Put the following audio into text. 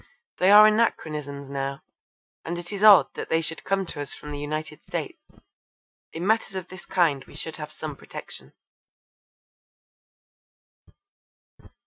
They are anachronisms now, and it is odd that they should come to us from the United States. In matters of this kind we should have some protection.